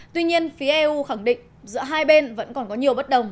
tuy nhiên phía eu khẳng định giữa hai bên vẫn còn có nhiều bất đồng